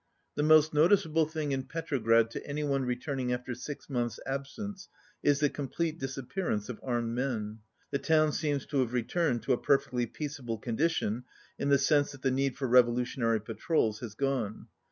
The most noticeable thing in Petrograd to any one returning after six months' absence is the complete disappearance of armed men. The town seems to have returned to a perfectly peaceable condition in the sense that the need for revolu tionary patrols has gone.